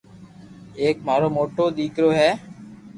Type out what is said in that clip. ايڪ مارو موٽو ديڪرو ھي